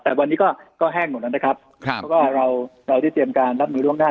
แต่วันนี้ก็แห้งหมดแล้วนะครับเพราะว่าเราเราได้เตรียมการรับมือล่วงหน้า